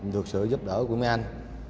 được sự giúp đỡ của mấy anh